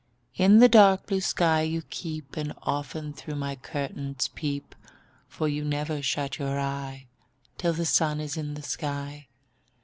In the dark blue sky you keep, And often through my curtains peep; For you never shut your eye Till the sun is in the sky.